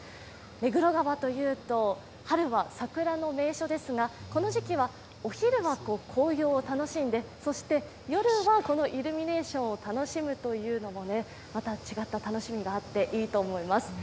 目黒川というと春は桜の名所ですけれども、この時期は、お昼は紅葉を楽しんでそして夜はイルミネーションを楽しむというのもまた違った楽しみがあっていいと思います。